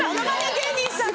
芸人さん